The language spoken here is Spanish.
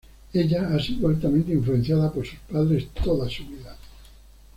Ella ha sido altamente influenciada por sus padres toda su vida.